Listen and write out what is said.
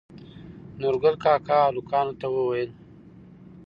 نورګل کاکا هلکانو ته وويل